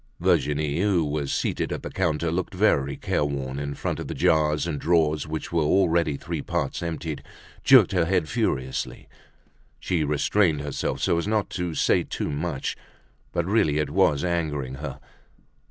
Virginie, who was seated at the counter looking very careworn in front of the jars and drawers which were already three parts emptied, jerked her head furiously. She restrained herself so as not to say too much, but really it was angering her.